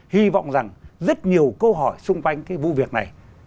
hy vọng rằng rất nhiều câu hỏi xung quanh cái vụ việc này